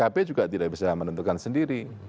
pkb juga tidak bisa menentukan sendiri